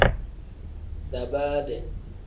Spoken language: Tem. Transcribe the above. Daabaade.